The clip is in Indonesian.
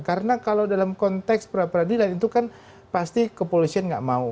karena kalau dalam konteks peradilan itu kan pasti kepolisian tidak mau